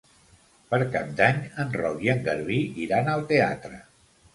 Per Cap d'Any en Roc i en Garbí iran al teatre.